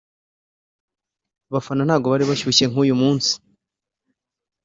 abafana ntabwo bari bashyushye nk’uyu munsi